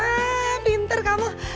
mah pinter kamu